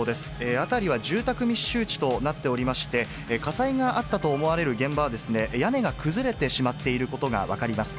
辺りは住宅密集地となっておりまして、火災があったと思われる現場は、屋根が崩れてしまっていることが分かります。